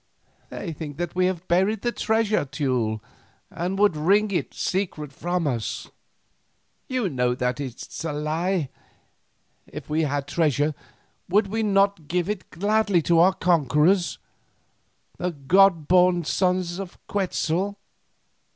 They think that we have buried treasure, Teule, and would wring its secret from us. You know that it is a lie. If we had treasure would we not give it gladly to our conquerors, the god born sons of Quetzal?